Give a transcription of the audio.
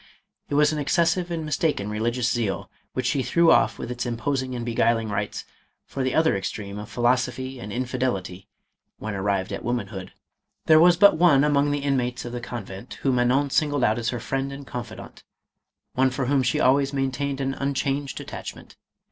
It was an excessive and mistaken religious zeal, which she threw off with its imposing and beguiling rites, for the other extreme of philosophy and infidelity, when arrived at woman hood. There was but one among the inmates of the con vent, who Manon singled out as her friend and confi dant,— one for whom she always maintained an un changed attachment.